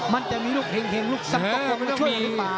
มันจะมีลูกเห็งเห็งลูกสักก๊อกมาช่วยหรือเปล่า